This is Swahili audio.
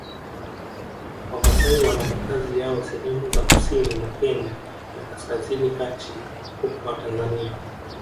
Wamasai wana makazi yao sehemu za Kusini mwa Kenya na Kaskazini kati mwa Tanzania